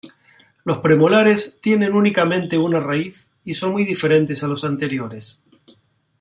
Los premolares tienen únicamente una raíz y son muy diferentes a los anteriores.